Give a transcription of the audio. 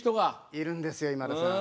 いるんですよ今田さん。